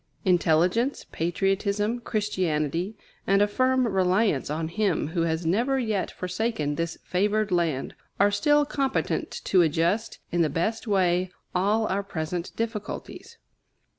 Intelligence, patriotism, Christianity, and a firm reliance on Him who has never yet forsaken this favored land, are still competent to adjust, in the best way, all our present difficulties.